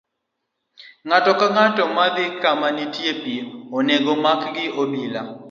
Ng'ato ang'ata madhi kama nitie pi, onego omak gi obila.